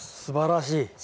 すばらしい。